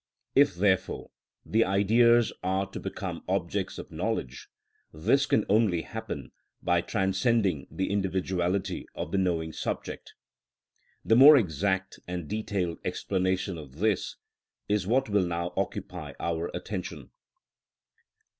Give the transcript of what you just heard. If, therefore, the Ideas are to become objects of knowledge, this can only happen by transcending the individuality of the knowing subject. The more exact and detailed explanation of this is what will now occupy our attention.